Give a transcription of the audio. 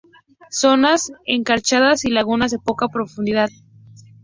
Zonas encharcadas y lagunas de poca profundidad.